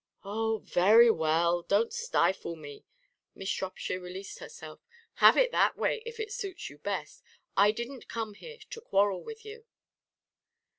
"Oh, very well. Don't stifle me!" Miss Shropshire released herself. "Have it that way, if it suits you best. I didn't come here to quarrel with you."